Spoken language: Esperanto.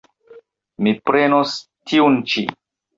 Mi prenos tiun ĉi.